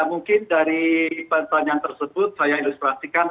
mungkin dari pertanyaan tersebut saya ilustrasikan